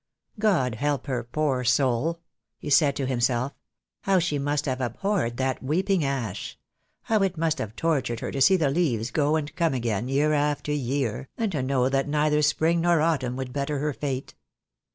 "God help her, poor soul," he said to himself. "How she must have abhorred that weeping ash! How it must have tortured her to see the leaves go and come again year after year, and to know that neither spring nor autumn would better her fate."